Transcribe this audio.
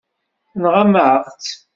Tenɣam-aɣ-tt.